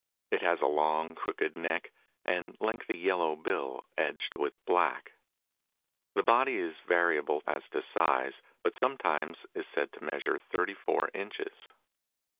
It has a long, crooked neck, and lengthy yellow bill edged with black. The body is variable as to size, but sometimes is said to measure thirty four inches.